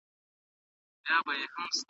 د مېوو تازه والی د روغتیا لپاره خورا مهم دی.